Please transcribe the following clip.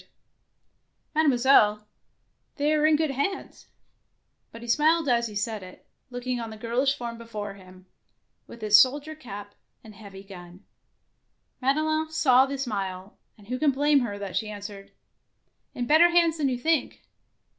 f'Wl :Vj >#^* DEFENCE OF CASTLE DANGEEOUS '' Mademoiselle, they are in good hands"; but he smiled as he said it, looking on the girlish form before him, with its soldier cap and heavy gun. Madelon saw the smile, and who can blame her that she answered, — "In better hands than you think.